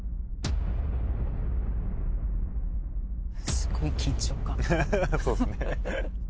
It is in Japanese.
すごい緊張感。